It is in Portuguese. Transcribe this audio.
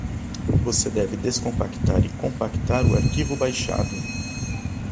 Você deve descompactar e compactar o arquivo baixado